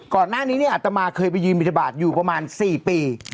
ก่อนหน้านี้เนี่ยอัตมาเคยไปยืนบิณฑบาตอยู่ประมาณ๔ปี